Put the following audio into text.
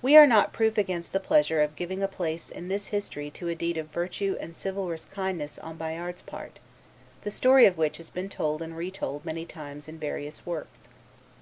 We are not proof against the pleasure of giving a place in this history to a deed of virtue and chivalrous kindness on Bayard's part, the story of which has been told and retold many times in various works.